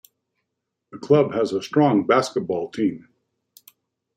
The club has a strong basketball team.